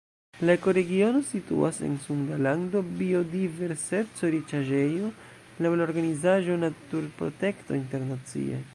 La ekoregiono situas en Sunda Lando, biodiverseco-riĉaĵejo laŭ la organizaĵo Naturprotekto Internacie.